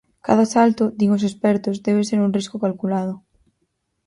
Cada salto, din os expertos, debe ser un risco calculado.